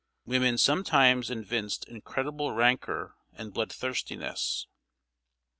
Women sometimes evinced incredible rancor and bloodthirstiness.